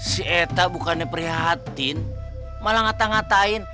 si eta bukannya prihatin malah ngata ngatain